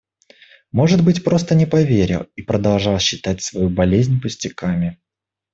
Может быть, просто не поверил и продолжал считать свою болезнь пустяками.